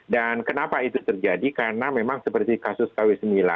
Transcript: dan kenapa itu terjadi karena memang seperti kasus kw sembilan